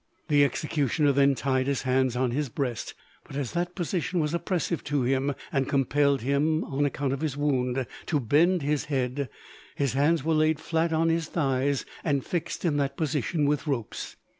The executioner then tied his hands on his breast, but as that position was oppressive to him and compelled him an account of his wound to bend his head, his hands were laid flat on his thighs and fixed in that position with ropes.